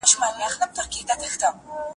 فوارې ته نیلوفر په ډنډ کې لامبي